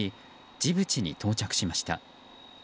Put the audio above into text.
ジブチに到着しました。